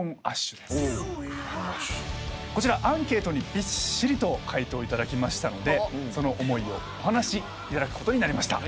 こちらアンケートにびっしりと回答いただきましたのでその思いをお話しいただくことになりました。